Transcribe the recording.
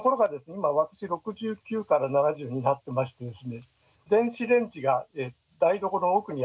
今私６９から７０になってましてですね。